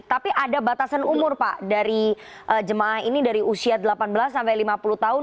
tapi ada batasan umur pak dari jemaah ini dari usia delapan belas sampai lima puluh tahun